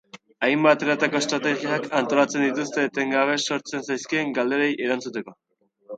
Hainbat eratako estrategiak antolatzen dituzte etengabe sortzen zaizkien galderei erantzuteko.